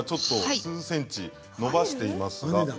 数ｃｍ伸ばしています。